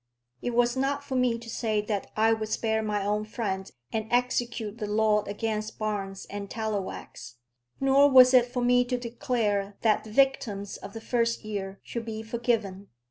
It was not for me to say that I would spare my own friend, and execute the law against Barnes and Tallowax; nor was it for me to declare that the victims of the first year should be forgiven.